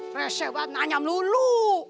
resep buat nanya melulu